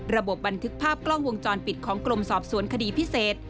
บันทึกภาพกล้องวงจรปิดของกรมสอบสวนคดีพิเศษ